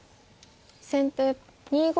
先手２五歩。